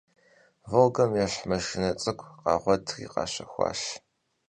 «Волгэм» ещхь маршынэ цӀыкӀу къагъуэтри къащэхуащ.